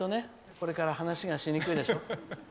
これから話がしにくいでしょ。